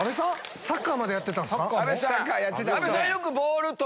サッカーまでやってたんすか？